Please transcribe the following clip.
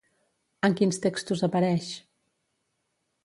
En quins textos apareix?